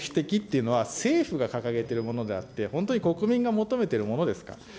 その３つの目的っていうのは、政府が掲げているものであって、本当に国民が求めてるものですか。